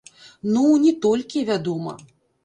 Ну, не толькі, вядома.